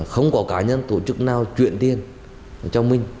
không có cá nhân tổ chức nào chuyển tiền cho mình